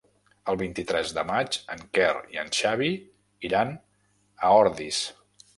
El vint-i-tres de maig en Quer i en Xavi iran a Ordis.